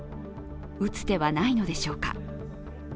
打つ手はないのでしょうか。